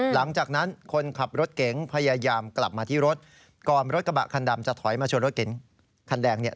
หลังจากนั้นคนขับรถเก๋งพยายามกลับมาที่รถก่อนรถกระบะคันดำจะถอยมาชนรถเก๋งคันแดงเนี่ย